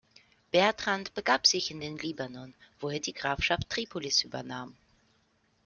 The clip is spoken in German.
Bertrand begab sich in den Libanon, wo er die Grafschaft Tripolis übernahm.